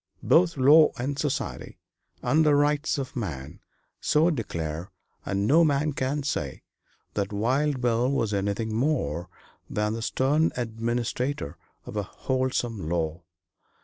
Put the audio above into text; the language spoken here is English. Both law and society, and the rights of man, so declare, and no man can say that Wild Bill was anything more than the stern administrator of a wholesome law.